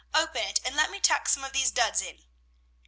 open it, and let me tuck some of these duds in."